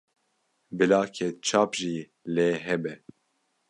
Bila ketçap jî lê hebe.